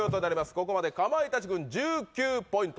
ここまでかまいたち軍１９ポイント